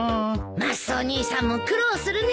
マスオ兄さんも苦労するね